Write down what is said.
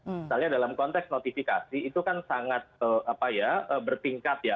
misalnya dalam konteks notifikasi itu kan sangat bertingkat ya